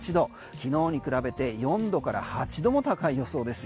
昨日に比べて４度から８度も高い予想です。